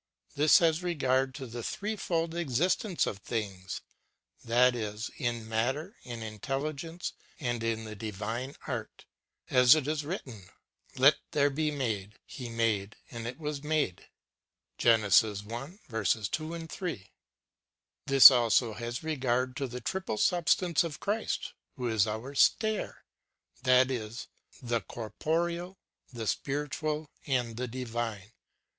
This has regard to the threefold existence of things; that is, in matter, in intelligence, and in the divine art, as it is written : "Let there be made; He made, and it was made."' This also has regard to the triple sub stance in Christ, who is our stair ŌĆö that is, the corporeal, the spir itual, and the divine.